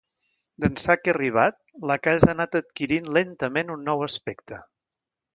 D'ençà que he arribat, la casa ha anat adquirint lentament un nou aspecte.